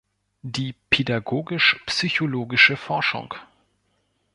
Die pädagogisch-psychologische Forschung.